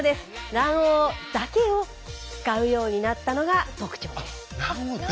卵黄だけを使うようになったのが特徴です。